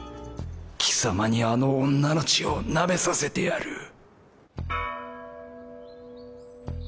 貴様にあの女の血を舐めさせてやる。